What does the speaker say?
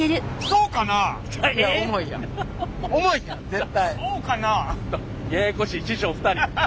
そうかなあ？